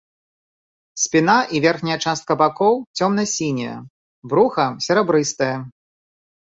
Спіна і верхняя частка бакоў цёмна-сінія, бруха серабрыстае.